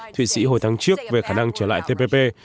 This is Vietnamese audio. thụy sĩ hồi tháng trước về khả năng trở lại tpp